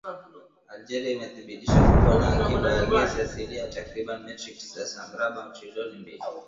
Algeria imethibitisha kuwa na akiba ya gesi asilia ya takribani metric za mraba trilioni mbili